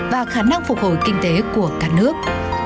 và khả năng phục hồi kinh tế của cả nước